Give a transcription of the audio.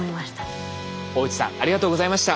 大内さんありがとうございました。